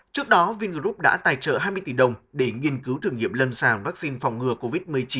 trước đó vingroup đã tài trợ hai mươi tỷ đồng để nghiên cứu thử nghiệm lâm sàng vaccine phòng ngừa covid một mươi chín